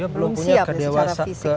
belum siap secara fisik mental